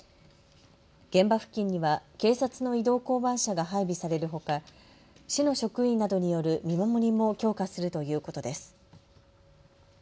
現場付近には警察の移動交番車が配備されるほか市の職員などによる見守りも強化するということです。